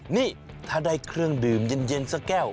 นี่ถ้าได้เครื่องดื่มเย็นสักแก้ว